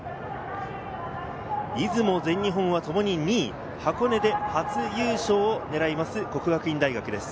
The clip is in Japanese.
出雲、全日本はともに２位、箱根で初優勝をねらいます、國學院大學です。